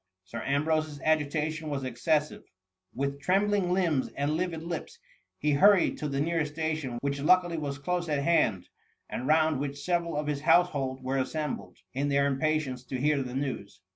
Sir Ambrose's agitation was excessive ; with trembling limbs and livid lips, he hurried to the nearest station, which luckily was close at hand, and found which several of his house hold were assembled, in their impatience to hear the news.